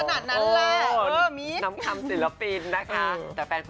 อะไรขนาดนั้นแหละ